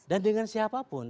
dan dengan siapapun